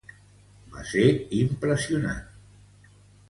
Va ser impressionant.